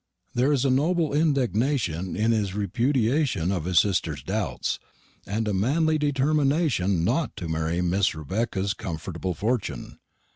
There is a noble indignation in his repudiation of his sister's doubts, and a manly determination not to marry Mrs. Rebecca's comfortable fortune.